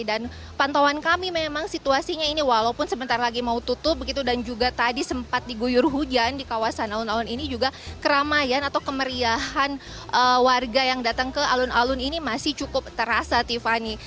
dan pantauan kami memang situasinya ini walaupun sebentar lagi mau tutup begitu dan juga tadi sempat diguyur hujan di kawasan alun alun ini juga keramaian atau kemeriahan warga yang datang ke alun alun ini masih cukup terasa tiffany